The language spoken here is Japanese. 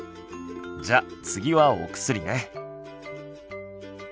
じゃあ次はお薬ね。